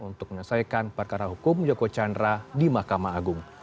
untuk menyelesaikan perkara hukum joko chandra di mahkamah agung